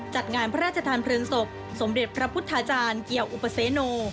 จัดงานพระราชทานเพลิงศพสมเด็จพระพุทธาจารย์เกี่ยวอุปเสโน